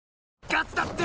ガスだって！